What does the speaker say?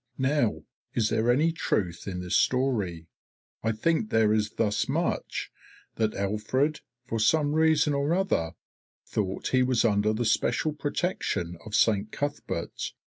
Now is there any truth in all this story? I think there is thus much, that Alfred, for some reason or other, thought he was under the special protection of Saint Cuthberht.